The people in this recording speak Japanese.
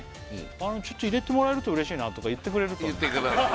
「あのちょっと入れてもらえるとうれしいな」とか言ってくれるとね